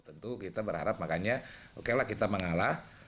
tentu kita berharap makanya oke lah kita mengalah